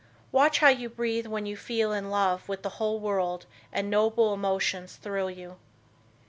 Watch how you breathe when you feel in love with the whole world and noble emotions thrill you.